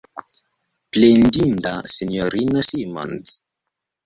Plendinda S-ino Simons!